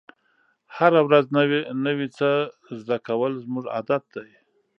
هره ورځ نوی څه زده کول زموږ عادت دی.